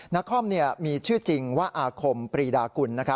นครมีชื่อจริงว่าอาคมปรีดากุล